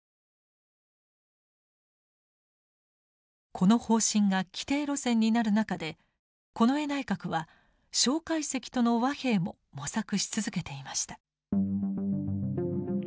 この方針が既定路線になる中で近衛内閣は介石との和平も模索し続けていました。